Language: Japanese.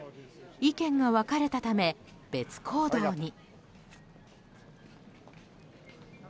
意見が分かれたため、別行動に。